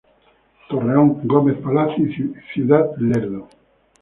Torreón, Gómez Palacio y Ciudad Lerdo.